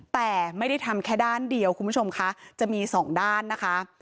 แต่ไม่ได้ทำแค่ด้านเดียวคุณผู้ชมคะจะมีสองด้านนะคะ